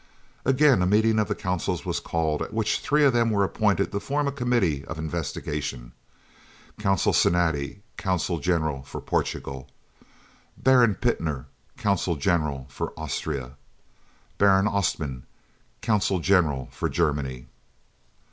Again a meeting of the Consuls was called, at which three of them were appointed to form a committee of investigation: Consul Cinatti, Consul General for Portugal. Baron Pitner, Consul General for Austria. Baron Ostmann, Consul General for Germany.